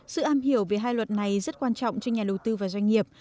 sự am hiểu về hai luật này rất quan trọng cho nhà đầu tư và doanh nghiệp